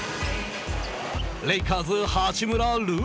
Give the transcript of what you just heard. レイカーズ、八村塁。